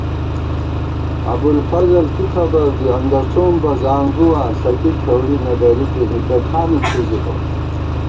ابُوالفضل کی خبر زی انگَسوم بہ زانگُواں ݪَکی کھېوڑی نہ درِکےنِکہ ٹھانہ څھِزِبہ